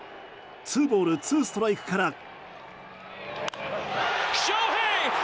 ツーボールツーストライクから。